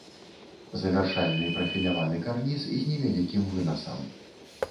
Завяршальны прафіляваны карніз з невялікім вынасам.